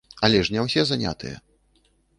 Але ж не ўсе занятыя.